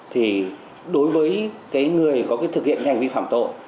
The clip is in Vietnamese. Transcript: thì đối với người có thực hiện hành vi phạm tội